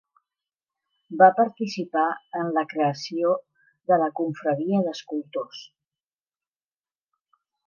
Va participar en la creació de la Confraria d'Escultors.